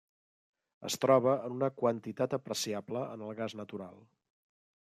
Es troba en una quantitat apreciable en el gas natural.